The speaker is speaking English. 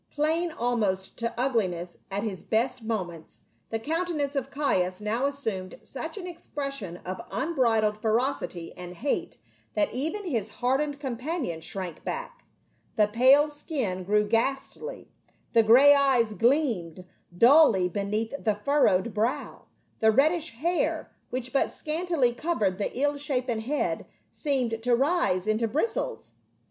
Plain almost to ugliness at his best moments, the counte nance of Caius now assumed such an expression of unbridled ferocity and hate that even his hardened companion shrank back ; the pale skin grew ghastly, the gray eyes gleamed dully beneath the furrowed brow, the reddish hair, which but scantily covered the ill shapen head, seemed to rise into bristles.